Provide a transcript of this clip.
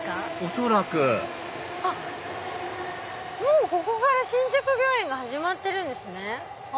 ⁉恐らくもうここから新宿御苑が始まってるんですね。